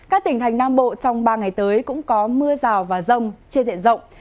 các tỉnh thành nam bộ trong ba ngày tới cũng có mưa rào và rông trên diện rộng